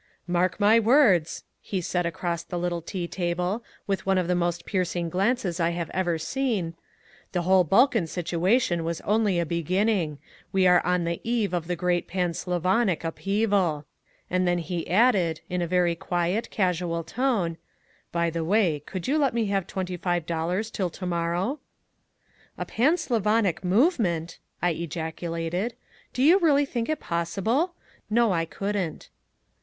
"Mark my words," he said across the little tea table, with one of the most piercing glances I have ever seen, "the whole Balkan situation was only a beginning. We are on the eve of a great pan Slavonic upheaval." And then he added, in a very quiet, casual tone: "By the way, could you let me have twenty five dollars till to morrow?" "A pan Slavonic movement!" I ejaculated. "Do you really think it possible? No, I couldn't."